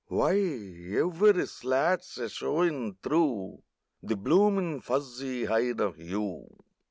Wye, every slat's a showin' through The bloomin' fuzzy hide o' you.